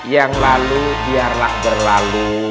yang lalu biarlah berlalu